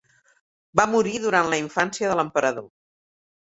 Va morir durant la infància de l'Emperador.